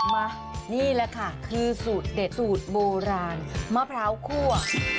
มานี่แหละค่ะคือสูตรเด็ดสูตรโบราณมะพร้าวคั่ว